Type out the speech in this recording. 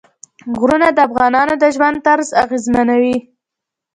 غرونه د افغانانو د ژوند طرز اغېزمنوي.